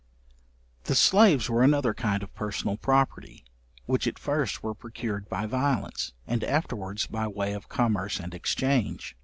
The slaves were another kind of personal property, which at first were procured by violence, and afterwards by way of commerce and exchange.